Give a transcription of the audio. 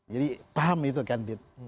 jadi paham itu kan dip